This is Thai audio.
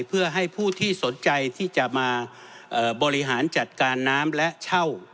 เพื่อให้ผู้ที่สนใจที่จะมาบริหารจัดการน้ำและเช่า